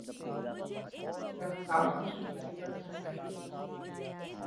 رمضان کی دستک سنائی دیتی ہے۔